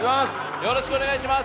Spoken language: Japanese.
よろしくお願いします！